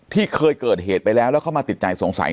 ที่เคยเกิดเหตุไปแล้วแล้วเข้ามาติดใจสงสัย